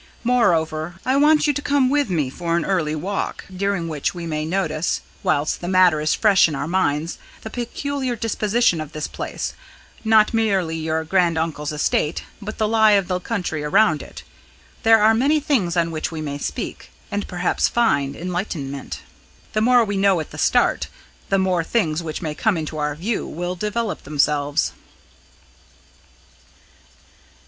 Moreover, I want you to come with me for an early walk, during which we may notice, whilst the matter is fresh in our minds, the peculiar disposition of this place not merely your grand uncle's estate, but the lie of the country around it. There are many things on which we may seek and perhaps find enlightenment. The more we know at the start, the more things which may come into our view will develop themselves."